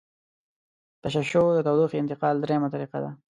تشعشع د تودوخې انتقال دریمه طریقه ده.